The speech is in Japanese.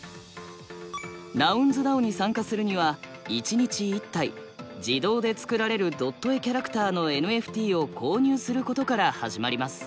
ＮｏｕｎｓＤＡＯに参加するには１日１体自動で作られるドット絵キャラクターのＮＦＴを購入することから始まります。